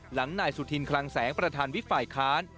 หลังนายสุธินคลังแสงประธานวิฝัยค้าน